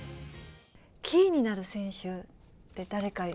キーになる選手って誰か。